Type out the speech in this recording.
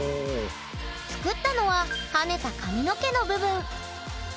作ったのは跳ねた髪の毛の部分。